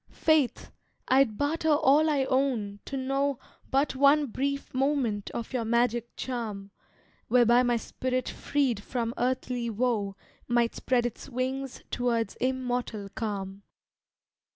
Faith, I'd barter all I own to know But one brief moment of your magic charm, Whereby my spirit freed from earthly woe, Might spread its wings towards immortal calm.